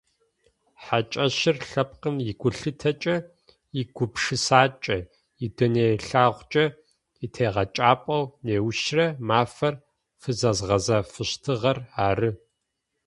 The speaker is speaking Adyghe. Хьакӏэщыр лъэпкъым игулъытэкӏэ, игупшысакӏэ, идунэелъэгъукӏэ итегъэкӏапӏэу неущрэ мафэр фызэзгъэзафэщтыгъэр ары.